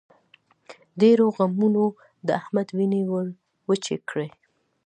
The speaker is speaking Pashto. ډېرو غمونو د احمد وينې ور وچې کړې.